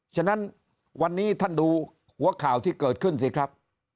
ฉะนั้นวันนี้ท่านดูหัวข่าวที่เกิดขึ้นสิครับ